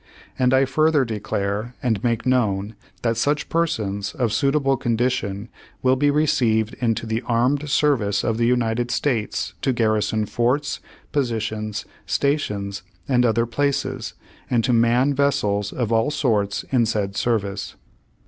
"And I further declare and make known that such per sons, of suitable condition, will be received into the armed service of the United States to garrison forts, positions, stations, and other places, and to man vessels of all sorts in said service.